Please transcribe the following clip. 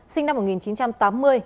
sinh năm một nghìn chín trăm tám mươi